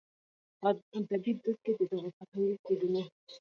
ادبي دود کې د دغو فرهنګي کوډونو